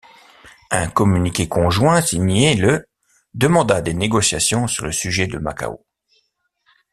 Un communiqué conjoint signé le demanda des négociations sur le sujet de Macao.